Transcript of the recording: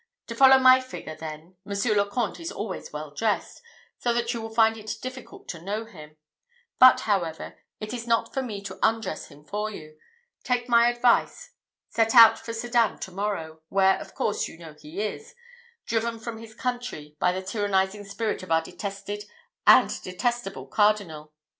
To follow my figure, then, Monsieur le Comte is always well dressed, so that you will find it difficult to know him; but, however, it is not for me to undress him for you. Take my advice, set out for Sedan to morrow, where, of course, you know he is driven from his country by the tyrannizing spirit of our detested and detestable cardinal.